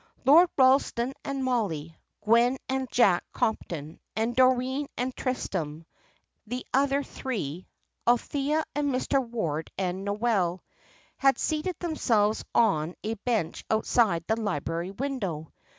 Lord Ralston and Mollie, Gwen and Jack Compton, and Doreen and Tristram; the other three, Althea and Mr. Ward and Noel, had seated themselves on a bench outside the library window.